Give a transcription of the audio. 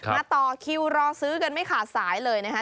มาต่อคิวรอซื้อกันไม่ขาดสายเลยนะคะ